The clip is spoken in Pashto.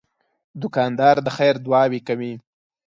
دوکاندار د خیر دعاوې کوي.